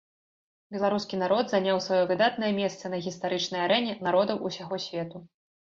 Беларускі народ заняў сваё выдатнае месца на гістарычнай арэне народаў усяго свету.